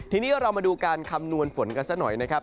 ทีนี้เรามาดูการคำนวณฝนกันสักหน่อยนะครับ